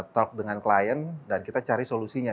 talk dengan klien dan kita cari solusinya